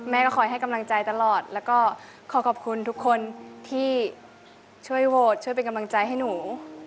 คอยให้กำลังใจตลอดแล้วก็ขอขอบคุณทุกคนที่ช่วยโหวตช่วยเป็นกำลังใจให้หนู